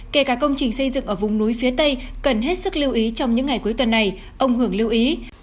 kể cả công trình xây dựng ở vùng núi phía tây cần hết sức lưu ý trong những ngày cuối tuần này ông hưởng lưu ý